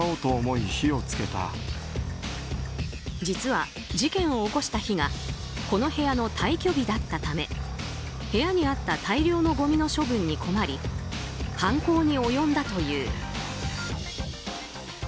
実は、事件を起こした日がこの部屋の退去日だったため部屋にあった大量のごみの処分に困り犯行に及んだという。